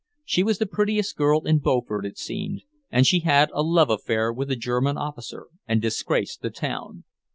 She was the prettiest girl in Beaufort, it seemed, and she had a love affair with a German officer and disgraced the town.